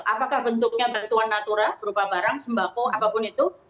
apakah bentuknya bantuan natura berupa barang sembako apapun itu